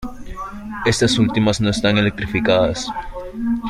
Estas últimas no están electrificadas.